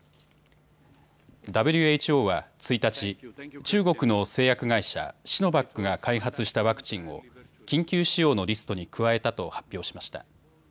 ＷＨＯは１日、中国の製薬会社、シノバックが開発したワクチンを緊急使用のリストに加えたと発表しました。